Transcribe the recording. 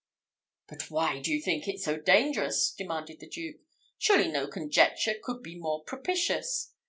"But why do you think it so dangerous?" demanded the Duke: "surely no conjuncture could be more propitious.